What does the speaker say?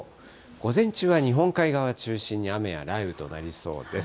午前中は日本海側を中心に雨や雷雨となりそうです。